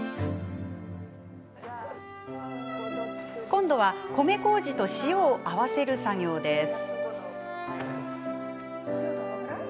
今度は米こうじと塩を合わせる作業です。